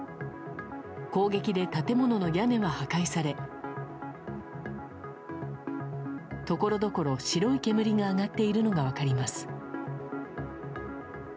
攻撃で建物の屋根は破壊されところどころ白い煙が上がっているのが分かります。